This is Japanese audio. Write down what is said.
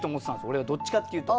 俺はどっちかって言うと。